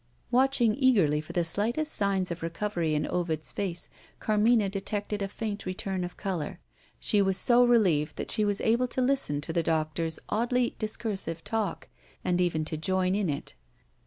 Watching eagerly for the slightest signs of recovery in Ovid's face, Carmina detected a faint return of colour. She was so relieved that she was able to listen to the doctor's oddly discursive talk, and even to join in it.